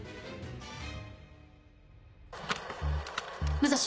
武蔵？